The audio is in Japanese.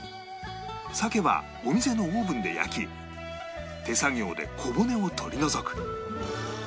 さけはお店のオーブンで焼き手作業で小骨を取り除く